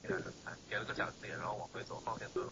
元统一全国后下诏毁福州城墙。